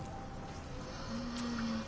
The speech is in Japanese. はあ。